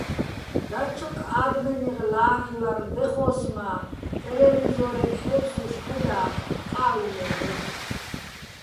დაჩოკ ა́დმენეღ ლა́რ'ლარ დეხო́ს მა́, ტელევიზო́რეგ ჰ̦ე́ფსუშ ჺედა́ხკ, ყა́ვი მე́ლ'ოშ.